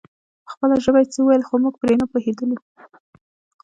په خپله ژبه يې څه ويل خو موږ پرې نه پوهېدلو.